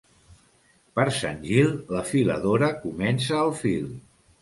Per Sant Gil la filadora comença el fil.